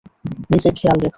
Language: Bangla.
নিজের খেয়াল রেখো!